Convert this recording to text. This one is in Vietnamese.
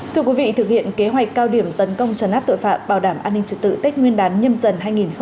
thưa quý vị thực hiện kế hoạch cao điểm tấn công trấn áp tội phạm bảo đảm an ninh trật tự tết nguyên đán nhâm dần hai nghìn hai mươi bốn